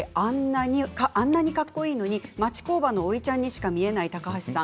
あんなにかっこいいのに町工場のおいちゃんにしか見えない高橋さん。